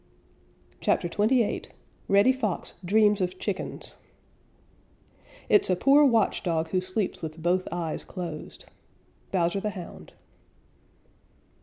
CHAPTER XXVIII REDDY FOX DREAMS OF CHICKENS It's a poor watch dog who sleeps with both eyes closed. _Bowser the Hound.